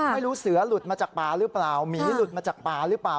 ไม่รู้เสือหลุดมาจากป่าหรือเปล่าหมีหลุดมาจากป่าหรือเปล่า